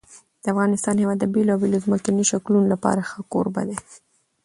د افغانستان هېواد د بېلابېلو ځمکنیو شکلونو لپاره ښه کوربه دی.